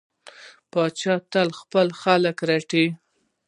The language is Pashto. پاچا تل خپل خلک رټي.